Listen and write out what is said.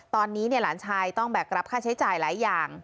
ตอนนี้หลานชายต้องแบกรับค่าใช้จ่ายหลายอย่าง